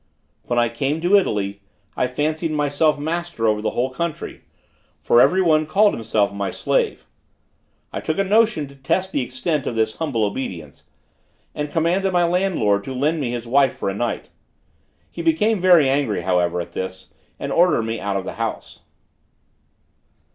"When I came to Italy, I fancied myself master over the whole country; for every one called himself my slave. I took a notion to test the extent of this humble obedience, and commanded my landlord to lend me his wife for a night; he became very angry, however, at this, and ordered me out of his house.